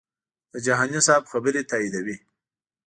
د جهاني صاحب خبرې تاییدوي.